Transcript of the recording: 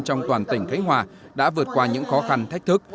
trong toàn tỉnh khánh hòa đã vượt qua những khó khăn thách thức